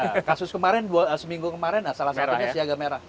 ya kasus kemarin seminggu kemarin salah satunya siaga merah